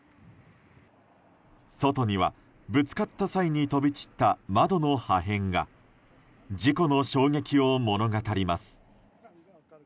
外にはぶつかった際に飛び散った窓の破片が事故の衝撃を物語ります。